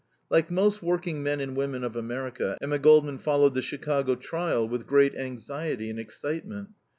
Like most working men and women of America, Emma Goldman followed the Chicago trial with great anxiety and excitement.